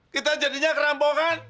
kita jadinya kerampokan